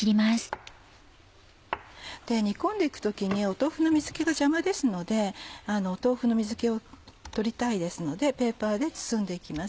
煮込んで行く時に豆腐の水気が邪魔ですので豆腐の水気を取りたいですのでぺーパーで包んで行きます。